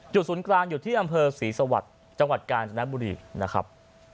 ศูนย์กลางอยู่ที่อำเภอศรีสวรรค์จังหวัดกาญจนบุรีนะครับ